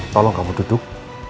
tolong kamu duduk